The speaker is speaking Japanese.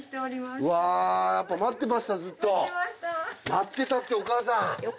待ってたってお母さん。